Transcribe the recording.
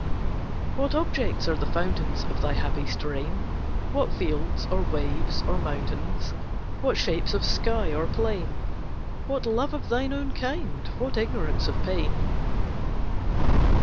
What objects are the fountains Of thy happy strain? What fields, or waves, or mountains? What shapes of sky or plain? What love of thine own kind? what ignorance of pain?